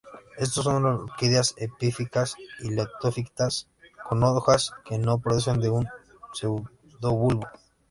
Estos son orquídeas epífitas o litófitas con hojas que no proceden de un pseudobulbo.